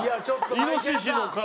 イノシシの体。